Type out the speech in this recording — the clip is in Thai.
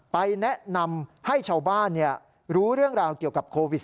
แนะนำให้ชาวบ้านรู้เรื่องราวเกี่ยวกับโควิด๑